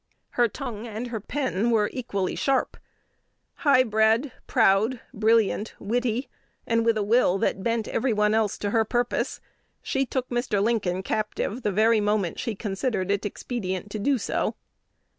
Her tongue and her pen were equally sharp. High bred, proud, brilliant, witty, and with a will that bent every one else to her purpose, she took Mr. Lincoln captive the very moment she considered it expedient to do so.